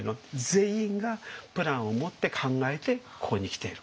全員がプランを持って考えてここに来ている。